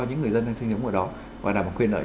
những người dân đang sinh sống ở đó và đảm bảo quyền lợi